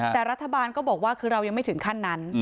แต่รัฐบาลก็บอกว่าคือเรายังไม่ถึงขั้นนั้น